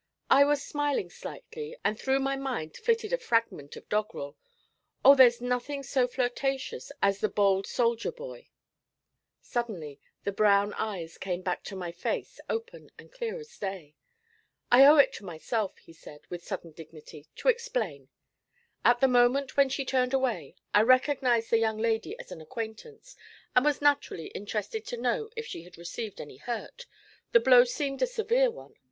I was smiling slightly, and through my mind flitted a fragment of doggerel: 'Oh, there's nothing so flirtatious As the bowld soldier boy!' Suddenly the brown eyes came back to my face, open and clear as day. 'I owe it to myself,' he said, with sudden dignity, 'to explain. At the moment when she turned away, I recognised the young lady as an acquaintance, and was naturally interested to know if she had received any hurt the blow seemed a severe one.